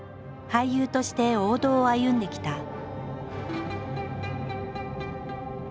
俳優として王道を歩んできた。